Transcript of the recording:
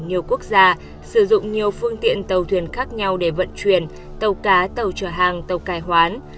nhiều quốc gia sử dụng nhiều phương tiện tàu thuyền khác nhau để vận chuyển tàu cá tàu chở hàng tàu cải hoán